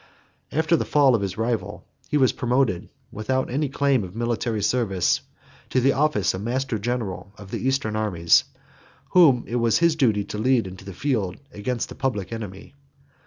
8 After the fall of his rival, he was promoted, without any claim of military service, to the office of master general of the Eastern armies, whom it was his duty to lead into the field against the public enemy.